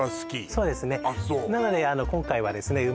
そうですねなので今回はですね